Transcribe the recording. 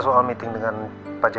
kau mau ngapain